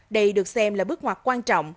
đây được xem là bước ngoặt quan trọng